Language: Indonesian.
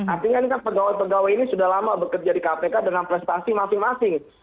artinya ini kan pegawai pegawai ini sudah lama bekerja di kpk dengan prestasi masing masing